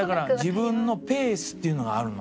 自分のペースっていうのがあるの。